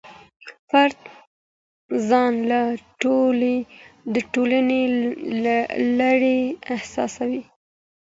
فرد ځان له ټولني لرې احساسوي.